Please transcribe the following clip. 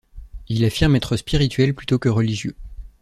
Il affirme être spirituel plutôt que religieux.